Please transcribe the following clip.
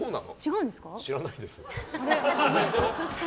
知らないですよ。